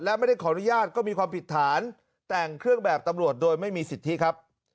และไม่ได้ขออนุญาตก็มีความผิดฐานแต่งเครื่องแบบตำรวจโดยไม่มีสิทธิครับ